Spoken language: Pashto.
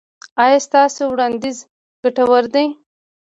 ایا ستاسو وړاندیز ګټور دی؟